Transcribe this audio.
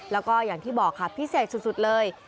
แล้วก็อย่างที่บอกค่ะพิเศษสุดเลย